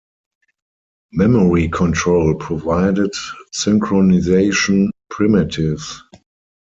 Memory control provided synchronization primitives.